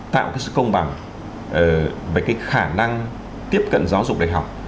tạo cái sự công bằng về cái khả năng tiếp cận giáo dục đại học